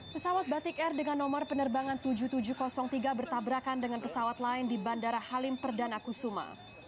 pesawat batik air dengan nomor penerbangan tujuh ribu tujuh ratus tiga bertabrakan dengan pesawat lain di bandara halim perdana kusuma